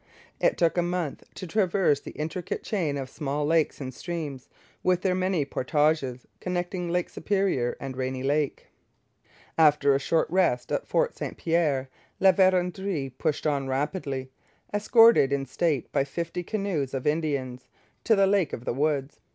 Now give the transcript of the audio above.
It took a month to traverse the intricate chain of small lakes and streams, with their many portages, connecting Lake Superior and Rainy Lake. After a short rest at Fort St Pierre, La Vérendrye pushed on rapidly, escorted in state by fifty canoes of Indians, to the Lake of the Woods.